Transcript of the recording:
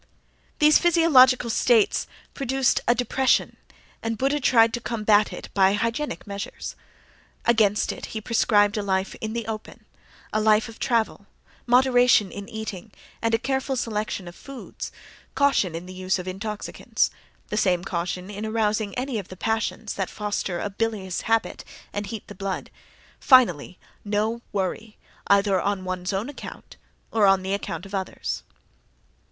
These physiological states produced a depression, and Buddha tried to combat it by hygienic measures. Against it he prescribed a life in the open, a life of travel; moderation in eating and a careful selection of foods; caution in the use of intoxicants; the same caution in arousing any of the passions that foster a bilious habit and heat the blood; finally, no worry, either on one's own account or on account of others.